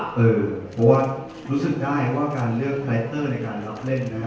เพราะว่ารู้สึกได้ว่าการเลือกไฟเตอร์ในการรับเล่นนะฮะ